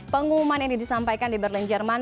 pengumuman ini disampaikan di berlin jerman